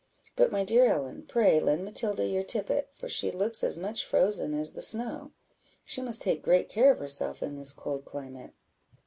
But, my dear Ellen, pray lend Matilda your tippet, for she looks as much frozen as the snow; she must take great care of herself in this cold climate."